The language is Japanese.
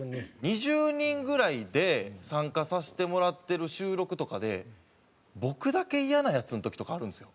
２０人ぐらいで参加させてもらってる収録とかで僕だけイヤなヤツの時とかあるんですよ。